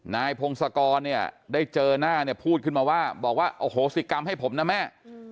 นายพงศกรเนี่ยได้เจอหน้าเนี่ยพูดขึ้นมาว่าบอกว่าโอโหสิกรรมให้ผมนะแม่